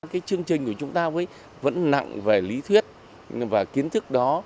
cái chương trình của chúng ta ấy vẫn nặng về lý thuyết và kiến thức đó